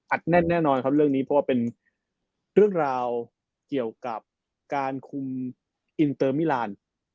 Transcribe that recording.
แน่นแน่นอนครับเรื่องนี้เพราะว่าเป็นเรื่องราวเกี่ยวกับการคุมอินเตอร์มิลาน